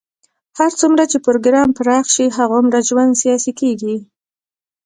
هر څومره چې پروګرام پراخ شي، هغومره ژوند سیاسي کېږي.